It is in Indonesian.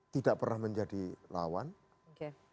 tidak pernah menjadi lawanan